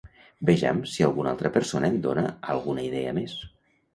Vejam si alguna altra persona em dona alguna idea més!